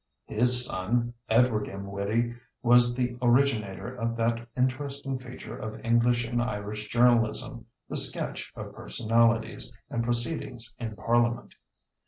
His son, Edward M. Whitty, was the originator of that interesting feature of English and Irish journalism, the sketch of personalities and proceedings in parliament.